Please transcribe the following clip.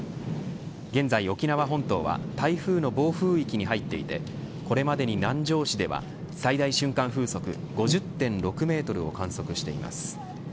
現在、沖縄本島は台風の暴風域に入っていてこれまでに南城市では最大瞬間風速５０．６メートルを観測しています。